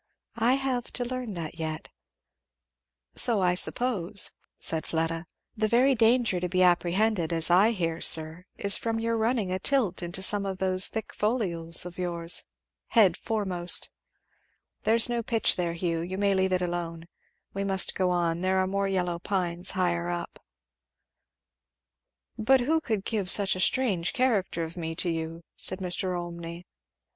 "I have to learn that yet." "So I suppose," said Fleda. "The very danger to be apprehended, as I hear, sir, is from your running a tilt into some of those thick folios of yours, head foremost. There's no pitch there, Hugh you may leave it alone. We must go on there are more yellow pines higher up." "But who could give such a strange character of me to you?" said Mr. Olmney.